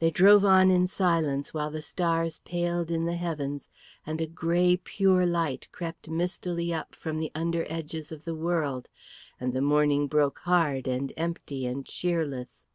He drove on in silence while the stars paled in the heavens and a grey, pure light crept mistily up from the under edges of the world, and the morning broke hard and empty and cheerless.